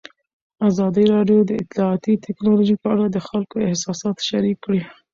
ازادي راډیو د اطلاعاتی تکنالوژي په اړه د خلکو احساسات شریک کړي.